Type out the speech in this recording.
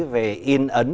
về yên ấn